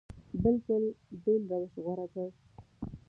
بلکل بېل روش غوره کړ.